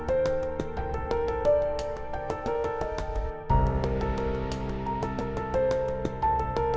dia selalu ada di depan rumah al